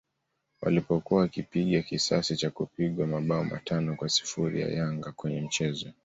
walipokuwa wakipiga kisasi cha kupigwa mabao matano kwa sifuri na Yanga kwenye mchezo